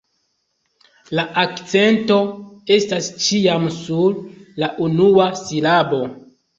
La akcento estas ĉiam sur la unua silabo.